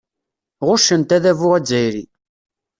Ɣuccent adabu azzayri.